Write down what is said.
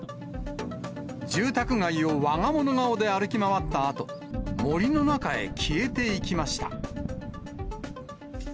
住宅街をわが物顔で歩き回ったあと、森の中へ消えていきました。